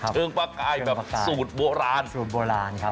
เชิงปลาไก่แบบสูตรโบราณสูตรโบราณครับ